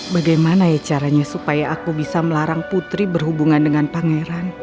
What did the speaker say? bagaimana ya caranya supaya aku bisa melarang putri berhubungan dengan pangeran